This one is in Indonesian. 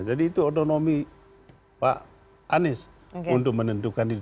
jadi itu otonomi pak anies untuk menentukan itu